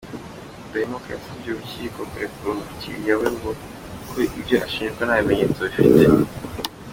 Udahemuka yasabye urukiko kurekura umukiriya we ngo kuko ibyo ashinjwa nta bimenyetso bifite.